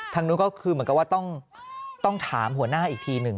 ทางนู้นก็คือเหมือนกับว่าต้องถามหัวหน้าอีกทีหนึ่ง